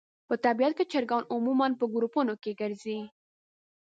په طبیعت کې چرګان عموماً په ګروپونو کې ګرځي.